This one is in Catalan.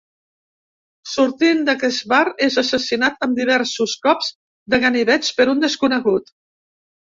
Sortint d'aquest bar, és assassinat amb diversos cops de ganivets per un desconegut.